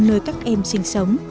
nơi các em sinh sống